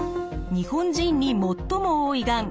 日本人に最も多いがん